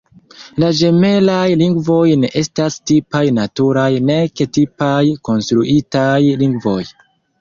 La ĝemelaj lingvoj ne estas tipaj naturaj nek tipaj konstruitaj lingvoj.